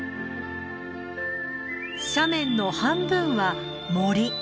斜面の半分は森。